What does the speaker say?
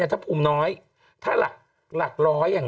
ถ้าภูมิน้อยถ้าหลักร้อยอย่าง